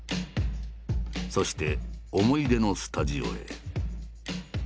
そして思い出のスタジオへ。